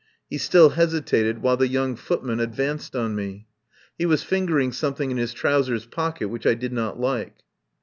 He still hesitated, while the young footman advanced on me. He was fingering some thing in his trousers pocket which I did not like.